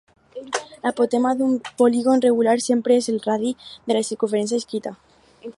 L'apotema d'un polígon regular sempre és el radi de la circumferència inscrita.